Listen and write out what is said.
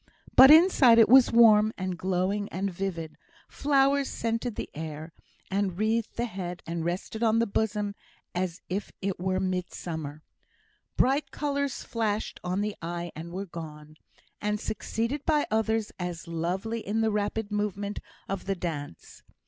But inside it was warm, and glowing, and vivid; flowers scented the air, and wreathed the head, and rested on the bosom, as if it were midsummer. Bright colours flashed on the eye and were gone, and succeeded by others as lovely in the rapid movement of the dance.